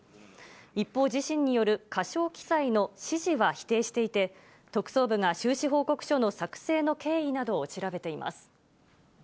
一方、自身による過少記載の指示は否定していて、特捜部が収支報告書の作成の経緯などを調べています。